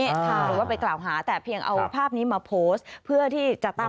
หรือว่าไปกล่าวหาแต่เพียงเอาภาพนี้มาโพสต์เพื่อที่จะตั้ง